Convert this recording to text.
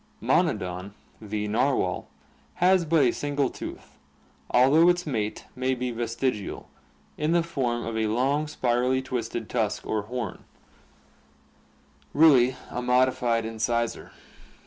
Monodon, the narwhal, has but a single tooth, although its mate may be vestigial, in the form of a long, spirally twisted tusk or "horn," really a modified incisor.